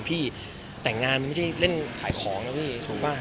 พี่แต่งงานมันไม่ใช่เล่นขายของนะพี่ถูกป่ะ